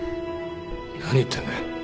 何言ってんだ。